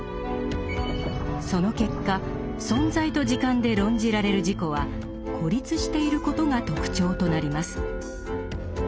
その結果「存在と時間」で論じられる「自己」は孤立していることが特徴となります。